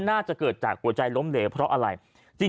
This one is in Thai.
น่าจะเกิดจากหัวใจล้มเหลวเพราะอะไร